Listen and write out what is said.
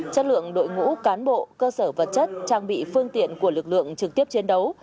chất lượng đội ngũ cán bộ cơ sở vật chất trang bị phương tiện của lực lượng trực tiếp chiến đấu